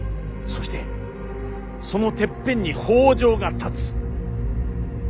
そしてそのてっぺんに北条が立つ。